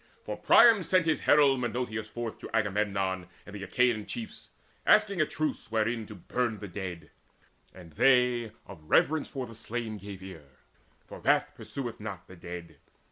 For Priam sent his herald Menoetes forth To Agamemnon and the Achaean chiefs, Asking a truce wherein to burn the dead; And they, of reverence for the slain, gave ear; For wrath pursueth not the dead.